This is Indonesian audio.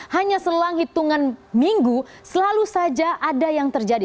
hanya selang hitungan minggu selalu saja ada yang terjadi